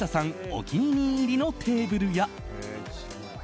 お気に入りのテーブルや。